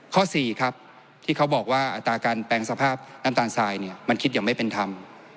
ข้อ๔ครับที่เขาบอกว่าอัตราการแปลงสภาพน้ำตาลทรายเนี่ยมันคิดอย่างไม่เป็นธรรม